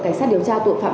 cảnh sát điều tra tội phạm